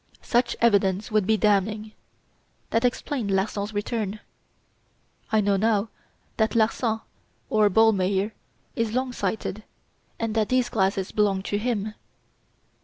Such evidence would be damning. That explained Larsan's return. I know now that Larsan, or Ballmeyer, is long sighted and that these glasses belonged to him.